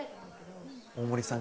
大森さん